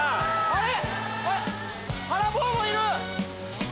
あれ。